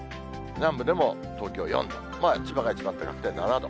南部でも東京４度、千葉が一番高くて７度。